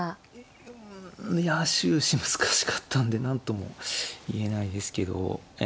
うんいや終始難しかったんで何とも言えないですけどえ